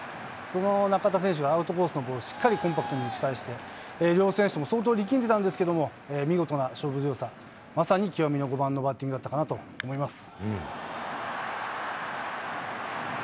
その中田選手がアウトコースのボールを、しっかりとコンパクトに打ち返して、両選手とも相当力んでたんですけれども、見事な勝負強さ、まさに極みの５番のバッティングだったかなと思います。